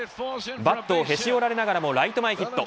バットをへし折られながらもライト前ヒット。